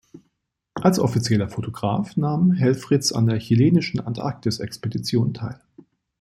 Als offizieller Fotograf nahm Helfritz an der chilenischen Antarktis-Expedition teil.